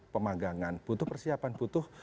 pemanggangan butuh persiapan butuh